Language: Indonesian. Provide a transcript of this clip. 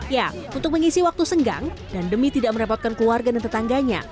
ya untuk mengisi waktu senggang dan demi tidak merepotkan keluarga dan tetangganya